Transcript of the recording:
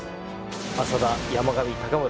浅田山上高村